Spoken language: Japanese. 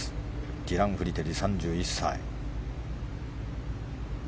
ディラン・フリテリ、３１歳。